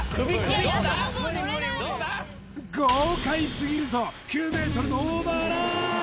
豪快すぎるぞ９ｍのオーバーラン